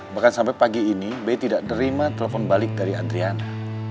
bahkan sampai pagi ini b tidak menerima telepon balik dari adriana